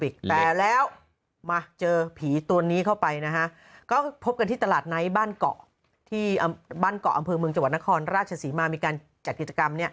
เกราะบราพยาบาลผีต่างอยู่กว่า๕๐ตัวมาร่วม